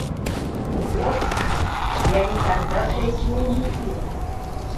И водка — я никогда вкуснее не пил!